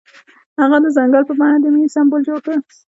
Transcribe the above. هغه د ځنګل په بڼه د مینې سمبول جوړ کړ.